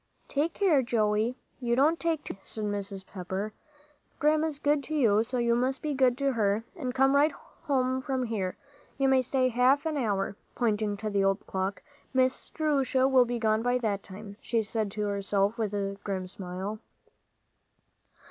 "Take care, Joey, you don't take too many," said Mrs. Pepper. "Grandma's good to you, so you must be good to her, and come right home from here. You may stay half an hour," pointing to the old clock. "Miss Jerusha will be gone by that time," she said to herself with a grim smile.